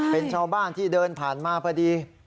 เป็นชาวบ้านที่เดินผ่านมาพอดี